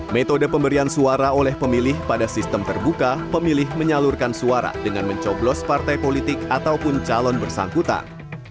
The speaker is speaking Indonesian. metode pemberian suara oleh pemilih pada sistem terbuka pemilih menyalurkan suara dengan mencoblos partai politik ataupun calon bersangkutan